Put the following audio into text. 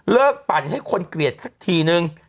ปั่นให้คนเกลียดสักทีนึง